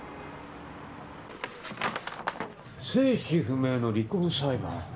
生死不明の離婚裁判？